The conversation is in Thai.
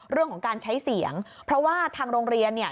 เรื่องของการใช้เสียงเพราะว่าทางโรงเรียนเนี่ย